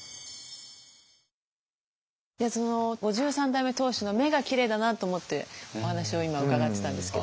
５３代目当主の目がきれいだなと思ってお話を今伺ってたんですけど